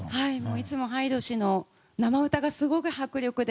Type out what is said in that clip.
いつもｈｙｄｅ氏の生歌がすごい迫力で。